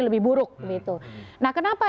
lebih buruk nah kenapa